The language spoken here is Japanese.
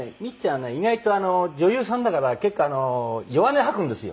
意外と女優さんだから結構弱音吐くんですよ。